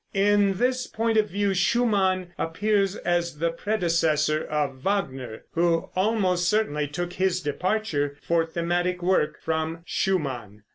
In this point of view Schumann appears as the predecessor of Wagner, who almost certainly took his departure for thematic work from Schumann.